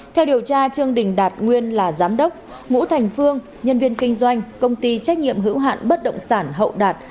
theo điều tra trương đình đạt nguyên là giám đốc ngũ thành phương nhân viên kinh doanh công ty trách nhiệm hữu hạn bất động sản hậu đạt